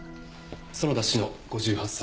園田志乃５８歳。